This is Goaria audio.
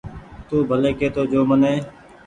تو ڀلي ڪي تو جو مني